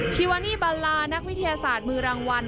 ชีวานี่บาลานักวิทยาศาสตร์มือรางวัล